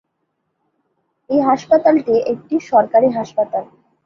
এই হাসপাতালটি একটি সরকারি হাসপাতাল।